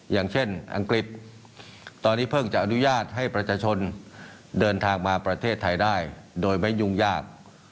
อย่างเช่นอังกฤษตอนนี้เพิ่งจะอนุญาตให้ประชาชนเดินทางมาประเทศไทยได้โดยไม่ยุ่งยาก